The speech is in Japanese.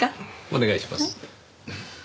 お願いします。